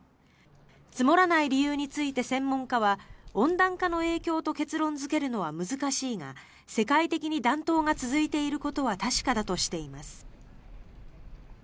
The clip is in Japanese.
積もらない理由について専門家は温暖化の影響と結論付けるのは難しいが世界的に暖冬が続いていることは確かだとしています。